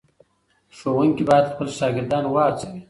ښوونکي باید خپل شاګردان وهڅوي.